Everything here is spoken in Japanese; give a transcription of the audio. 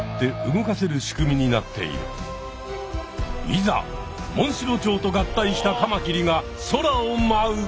いざモンシロチョウと合体したカマキリが空をまう！